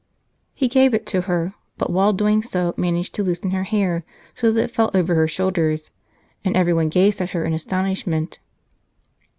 He gave it to her, but while doing so managed to loosen her hair so that it fell over her shoulders, and every one gazed at her in astonishment.